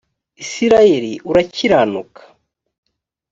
isirayeli urakiranuka